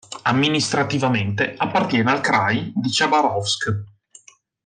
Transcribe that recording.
Amministrativamente appartiene al kraj di Chabarovsk.